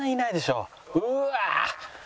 うわ！